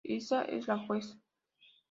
Isa es la juez.